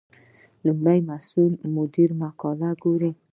لومړی مسؤل مدیر مقاله ګوري.